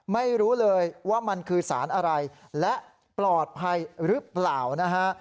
ไม่รู้เลยว่ามันคือสารอะไรและปลอดภัยหรือเปล่านะฮะ